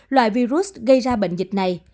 loại virus gây ra bệnh dịch này